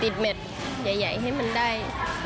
ติดเม็ดใหญ่ให้มันได้